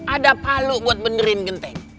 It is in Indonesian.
ada palu buat benerin genteng